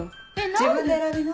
自分で選びな。